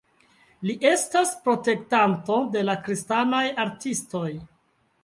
Li estas protektanto de la kristanaj artistoj.